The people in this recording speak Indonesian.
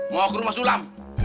mau ke rumah sulam